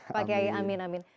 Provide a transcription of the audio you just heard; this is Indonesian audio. pak kiai amin amin